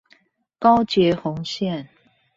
高捷紅線